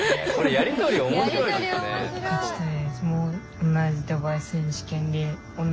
やり取り面白い。